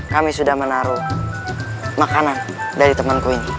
kami sudah menaruh makanan dari temanku ini